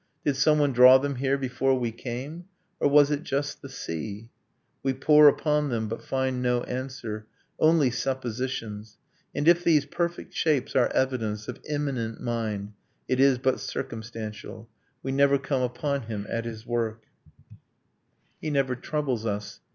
Did someone draw them here before we came? Or was it just the sea? We pore upon them, But find no answer only suppositions. And if these perfect shapes are evidence Of immanent mind, it is but circumstantial: We never come upon him at his work, He never troubles us.